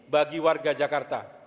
bagi warga jakarta